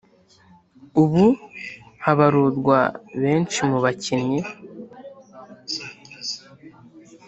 ubu habarurwa benshi mu bakinnyi